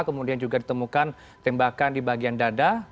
kemudian juga ditemukan tembakan di bagian dada